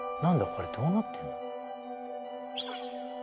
これどうなってんの？